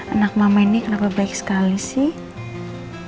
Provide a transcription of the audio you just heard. anak mama ini agak baik sekali sih